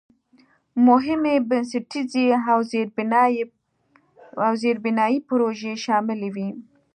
مهمې بنسټیزې او زېربنایي پروژې شاملې وې.